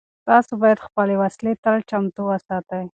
تاسو باید خپلې وسلې تل چمتو وساتئ.